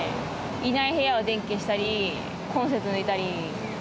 いない部屋は電気消したり、コンセントを抜いたり。